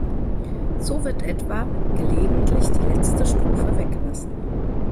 So wird etwa gelegentlich die letzte Strophe weggelassen.